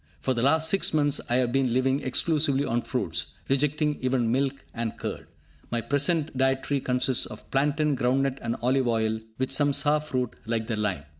For the last six months I have been living exclusively on fruits rejecting even milk and curd. My present dietary consists of plantain, groundnut and olive oil, with some sour fruit like the lime.